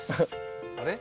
「あれ？」